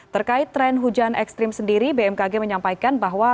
terkait tren hujan ekstrim sendiri bmkg menyampaikan bahwa